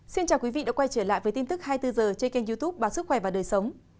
xin chào quý vị đã quay trở lại với tin tức hai mươi bốn h trên kênh youtube báo sức khỏe và đời sống